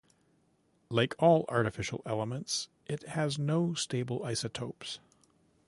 Like all artificial elements, it has no stable isotopes.